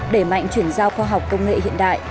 đẩy mạnh chuyển giao khoa học công nghệ hiện đại